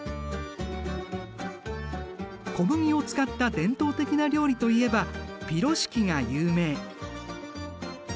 小麦を使った伝統的な料理といえばピロシキが有名。